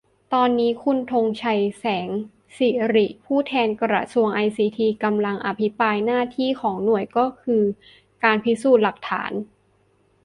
ตอนนี้ คุณธงชัย แสงสิริ ผู้แทนกระทรวงไอซีที กำลังอภิปราย หน้าที่ของหน่วยก็คือ การพิสูจน์หลักฐาน